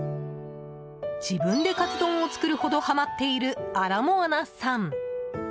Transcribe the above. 自分でカツ丼を作るほどはまっている、アラモアナさん。